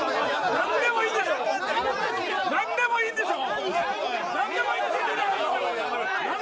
何でもいいんでしょ。